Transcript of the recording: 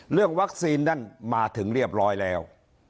เรื่องวัคซีนนั้นมาถึงเรียบร้อยแล้ว